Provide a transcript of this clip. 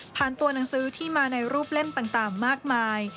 ตัวหนังสือที่มาในรูปเล่มต่างมากมาย